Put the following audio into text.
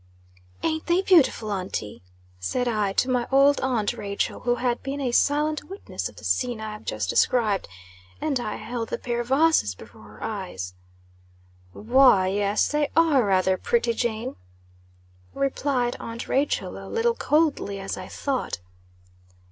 "Ain't they beautiful, aunty?" said I to my old aunt Rachel, who had been a silent witness of the scene I have just described; and I held the pair of vases before her eyes. "Why yes, they are rather pretty, Jane," replied aunt Rachel, a little coldly, as I thought.